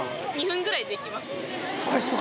２分ぐらいでできます・